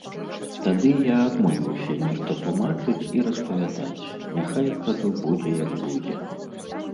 Тады я адмовіўся нешта тлумачыць і распавядаць, няхай, кажу будзе як будзе.